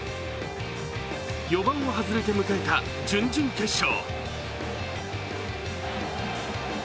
４番を外れて迎えた準々決勝。